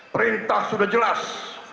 perintah sudah jelas